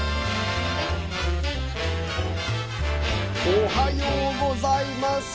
おはようございます。